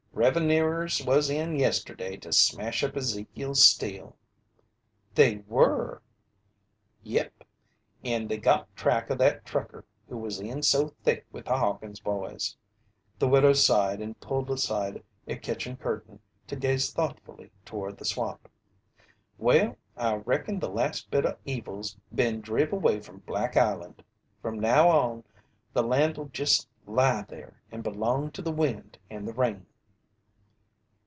"Revenooers was in yesterday to smash up Ezekiel's still." "They were!" "Yep, and they got track o' that trucker who was in so thick with the Hawkins boys." The widow sighed and pulled aside a kitchen curtain to gaze thoughtfully toward the swamp. "Well, I reckon the last bit o' evil's been driv' away from Black Island. From now on, the land'll jest lie there and belong to the wind and the rain."